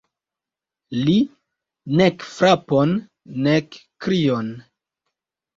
Li: nek frapon, nek krion.